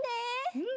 うん。